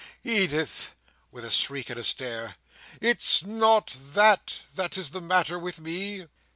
Edith!" with a shriek and a stare, "it's not that that is the matter with me."